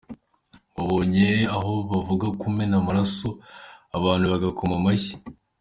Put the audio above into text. Wabonye aho bavuga kumena amaraso abantu bagakoma amashyi.